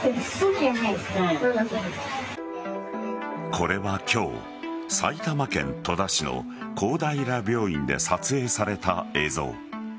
これは今日、埼玉県戸田市の公平病院で撮影された映像。